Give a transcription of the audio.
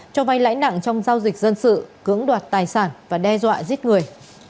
cho vai lãnh đẳng trong giao dịch dân sự cưỡng đoạt tài sản và đe dọa giết người